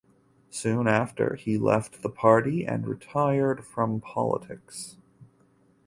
Soon after he left the party and retired from politics.